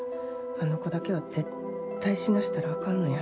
あの子だけは絶対死なせたらあかんのや。